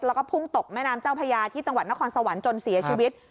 แล้วก็พุ่งตกแม่น้ำเจ้าพญาที่จังหวัดนครสวรรค์จนเสียชีวิต